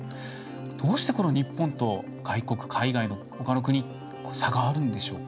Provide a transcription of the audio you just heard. どうして日本と外国海外のほかの国って差があるんでしょうか。